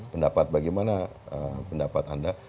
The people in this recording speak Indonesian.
pendapat bagaimana pendapat anda